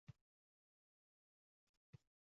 Agar diqqat bilan qaralsa edi.